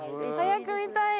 早く見たい。